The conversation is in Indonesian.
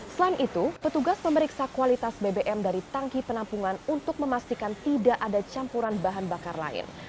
selain itu petugas memeriksa kualitas bbm dari tangki penampungan untuk memastikan tidak ada campuran bahan bakar lain